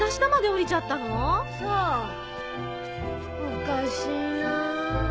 おかしいなぁ。